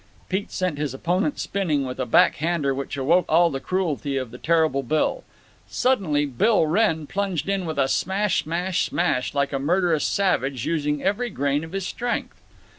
Pete sent his opponent spinning with a back hander which awoke all the cruelty of the terrible Bill. Silently Bill Wrenn plunged in with a smash! smash! smash! like a murderous savage, using every grain of his strength.